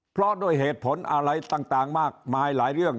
เพราะด้วยเหตุผลอะไรต่างมากมายหลายเรื่อง